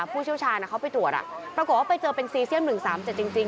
ผู้เชี่ยวชาญเขาไปตรวจปรากฏว่าไปเจอเป็นซีเซียม๑๓๗จริง